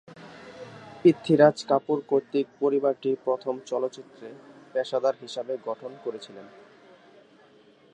পৃথ্বীরাজ কাপুর কর্তৃক পরিবারটি প্রথম চলচ্চিত্রে পেশাদার হিসেবে গঠন করেছিলেন।